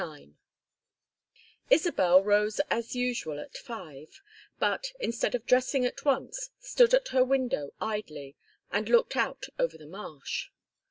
IX Isabel rose as usual at five, but, instead of dressing at once, stood at her window idly and looked out over the marsh.